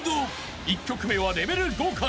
［１曲目はレベル５から］